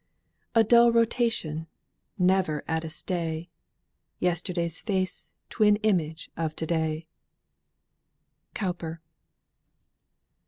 "A dull rotation, never at a stay, Yesterday's face twin image of to day." COWPER.